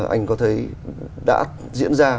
anh có thấy đã diễn ra